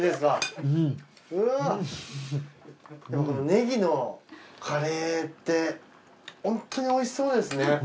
このねぎのカレーってホントに美味しそうですね。